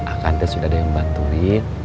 akang teh sudah ada yang bantuin